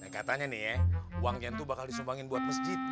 katanya nih ya uangnya itu bakal disumbangin buat masjid